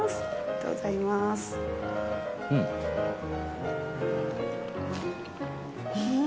うんうん